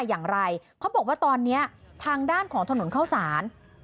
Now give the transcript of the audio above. อย่างไรเขาบอกว่าตอนนี้ทางด้านของถนนเข้าสาร